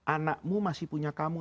anakmu masih punya kamu